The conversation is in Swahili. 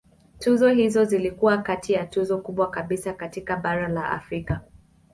Tuzo hizo zilikuwa kati ya tuzo kubwa kabisa katika bara la Afrika.